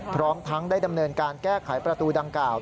พร้อมทั้งได้ดำเนินการแก้ไขประตูดังกล่าว